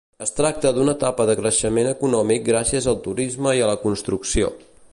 Es tracta d'una etapa de creixement econòmic gràcies al turisme i a la construcció.